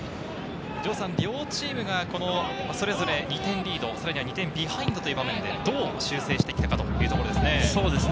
城さん、両チームがそれぞれ２点リード、２点ビハインドという場面でどう修正してきたかというところですね。